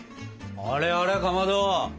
あれあれかまど！